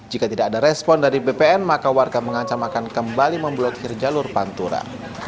jika tidak ada respon dari bpn maka warga mengancam akan kembali memblokir jalur pantura